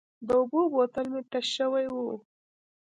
د اوبو بوتل مې تش شوی و.